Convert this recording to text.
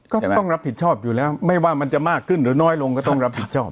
ก็ต้องรับผิดชอบอยู่แล้วไม่ว่ามันจะมากขึ้นหรือน้อยลงก็ต้องรับผิดชอบ